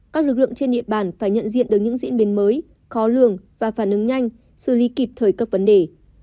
các lực lượng trên địa bàn phải nhận diện được những diễn biến mới khó lường và phản ứng nhanh xử lý kịp thời các vấn đề